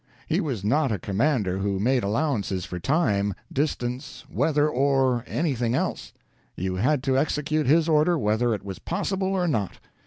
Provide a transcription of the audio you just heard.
He was not a commander who made allowances for time, dis tance, weather, or anything else. You had to execute his order whether it was possible or not.